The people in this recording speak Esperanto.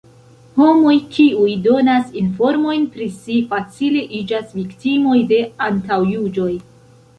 Homoj, kiuj donas informojn pri si, facile iĝas viktimoj de antaŭjuĝoj.